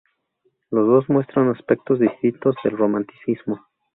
Los dos muestran aspectos distintos del Romanticismo.